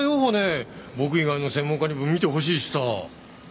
僕以外の専門家にも見てほしいしさ。